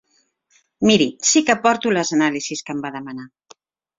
Miri, sí que porto les anàlisis que em va demanar.